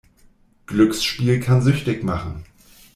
Glücksspiel kann süchtig machen.